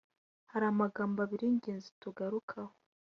Hari amagambo abiri y’ingenzi tugarukaho